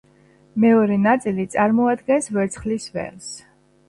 მეორე ნაწილი წარმოადგენს ვერცხლის ველს.